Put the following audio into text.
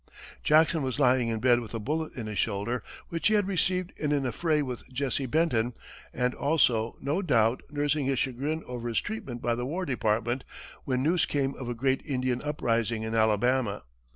Jackson was lying in bed with a bullet in his shoulder, which he had received in an affray with Jesse Benton, and also, no doubt, nursing his chagrin over his treatment by the War Department, when news came of a great Indian uprising in Alabama.